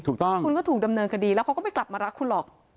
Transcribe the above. ถูกต้องคุณก็ถูกดำเนินคดีแล้วเขาก็ไม่กลับมารักคุณหรอก